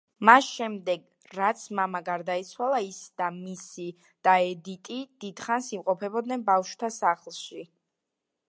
მას შემდეგ, რაც მამა გარდაეცვალა, ის და მისი და ედიტი დიდხანს იმყოფებოდნენ ბავშვთა სახლში.